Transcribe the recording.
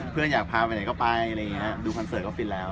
เพื่อนอยากพาไปไหนก็ไปดูคอนเสิร์ตก็ฟินแล้ว